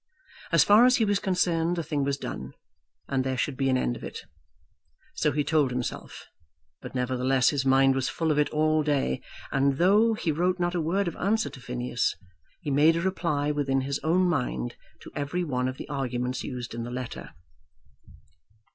As far as he was concerned the thing was done, and there should be an end of it. So he told himself; but nevertheless his mind was full of it all day; and, though he wrote not a word of answer to Phineas, he made a reply within his own mind to every one of the arguments used in the letter.